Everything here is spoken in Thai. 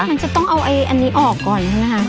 มันจะต้องเอาอันนี้ออกก่อนนะฮะ